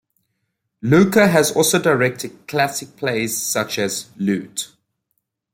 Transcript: Lucas has also directed classic plays such as "Loot".